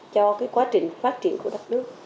cho cái quá trình phát triển của đất nước